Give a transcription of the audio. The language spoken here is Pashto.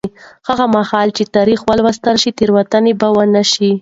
هغه مهال چې تاریخ ولوستل شي، تېروتنې به بیا ونه شي.